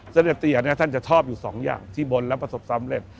เสด็จเตียเนี่ยท่านจะชอบอยู่สองอย่างที่บนแล้วประสบสำเร็จ